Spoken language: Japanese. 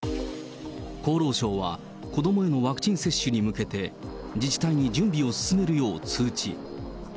厚労省は、子どもへのワクチン接種に向けて自治体に準備を進めるよう通知。